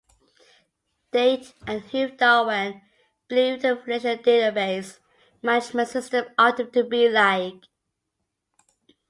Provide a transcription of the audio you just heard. Date and Hugh Darwen believe a relational database management system ought to be like.